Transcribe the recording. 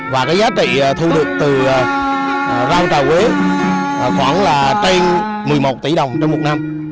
và cái giá trị thu được từ rau trà quế khoảng là trên một mươi một tỷ đồng trong một năm